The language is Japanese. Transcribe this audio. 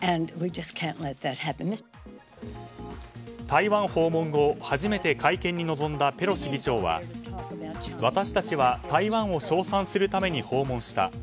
台湾訪問後初めて会見に臨んだペロシ議長は私たちは台湾を称賛するために訪問した。